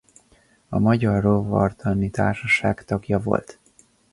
A Magyar Rovartani Társaság tagja volt.